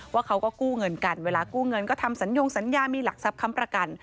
ว่าเขาก็กู้เงินกันเวลากู้เงินก็ทำสัญญงสัญญามีหลักทรัพยค้ำประกัน